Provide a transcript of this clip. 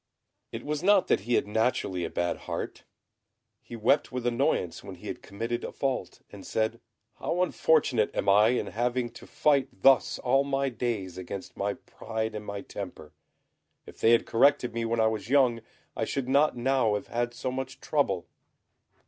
It was not that he had naturally a bad heart: he wept with annoyance when he had committed a fault, and said, "How unfortunate am I in having to fight thus all my days against my pride and my temper! If they had corrected me when I was young, I should not now have had so much trouble."